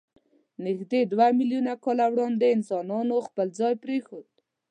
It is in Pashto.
نږدې دوه میلیونه کاله وړاندې انسانانو خپل ځای پرېښود.